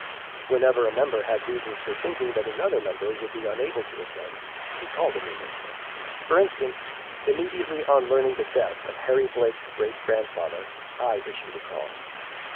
Whenever a member had reasons for thinking that another member would be unable to attend, he called a meeting. For instance, immediately on learning the death of Harry Blake's great grandfather, I issued a call.